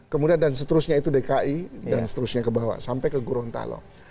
kemudian dan seterusnya itu dki dan seterusnya ke bawah sampai ke gorontalo